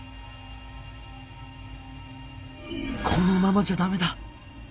このままじゃダメだ！